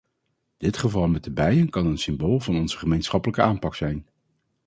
Dit geval met de bijen kan een symbool van onze gemeenschappelijke aanpak zijn.